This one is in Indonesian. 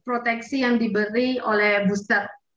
proteksi yang diberi oleh booster